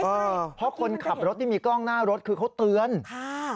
เออเพราะคนขับรถที่มีกล้องหน้ารถคือเขาเตือนค่ะ